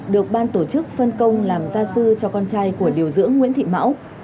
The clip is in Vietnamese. được ban tổ chức phân công làm gia sư cho con trai của điều dưỡng nguyễn thị mão